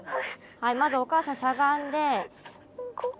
はいまずおかあさんしゃがんで。